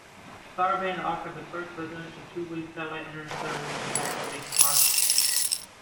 StarBand offered the first residential two-way satellite Internet service in the United States market.